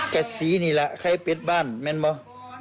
แกะสีนี่แหละไข่เป็ดบ้านมั่นเปล่า